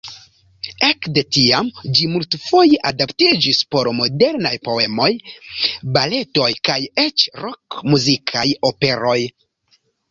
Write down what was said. Ekde tiam ĝi multfoje adaptiĝis por modernaj poemoj, baletoj kaj eĉ rok-muzikaj operoj.